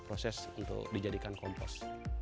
proses untuk dijadikan kompos